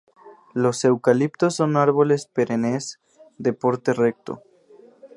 Los eucaliptos son árboles perennes, de porte recto.